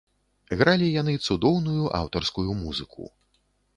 Гралі яны цудоўную аўтарскую музыку.